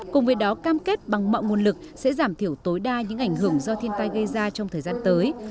cùng với đó cam kết bằng mọi nguồn lực sẽ giảm thiểu tối đa những ảnh hưởng do thiên tai gây ra trong thời gian tới